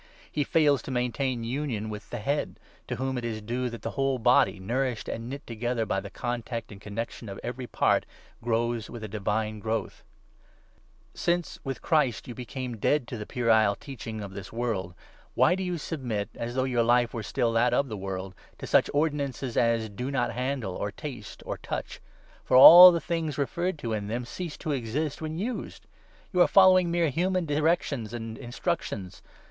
He fails to maintain union with 19 the Head, to whom it is due that the whole body, nourished and knit together by the contact and connexion of every part, grows with a divine growth. Sharing Since, with Christ, you became dead to the 20 Christ's puerile teaching of this world, why do you sub Death. mit( as though your life were still that of the world, to such ordinances as ' Do not handle, or taste, or ii touch'? For all the things referred to in them cease to exist 22 when used. You are following mere human directions and instructions.